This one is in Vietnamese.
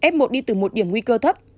f một đi từ một điểm nguy cơ thấp